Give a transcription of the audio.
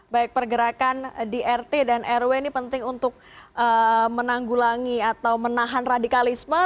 baik pergerakan di rt dan rw ini penting untuk menanggulangi atau menahan radikalisme